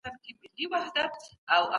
او په دې کي د روم، چین او هند تر منځ.